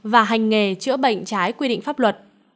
và hành nghề chữa bệnh trái quy định pháp luật